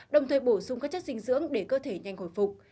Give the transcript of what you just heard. đồng thời bổ sung các chất dinh dưỡng để cơ thể nhanh hồi phục